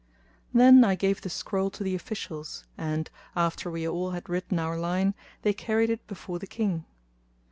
Then I gave the scroll to the officials and, after we all had written our line, they carried it before the King.